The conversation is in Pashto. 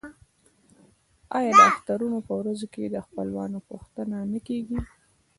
آیا د اخترونو په ورځو کې د خپلوانو پوښتنه نه کیږي؟